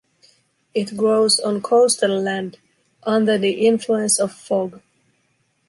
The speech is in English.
It grows on coastal land, under the influence of fog.